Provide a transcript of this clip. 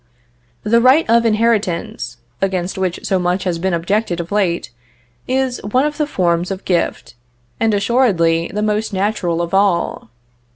The right of inheritance, against which so much has been objected of late, is one of the forms of gift, and assuredly the most natural of all.